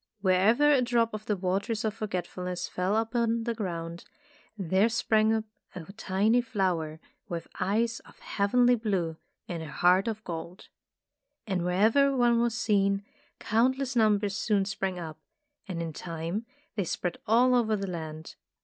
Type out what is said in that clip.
Wherever a drop of the Waters of Forgetfulness fell upon the ground, there sprang up a tiny flower with eyes of heavenly blue and a heart of gold. And wherever one was seen, countless numbers soon sprang up, and in time they spread all over the land.